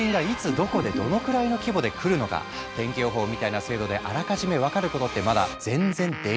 どこでどのくらいの規模で来るのか天気予報みたいな精度であらかじめ分かることってまだ全然できないんです。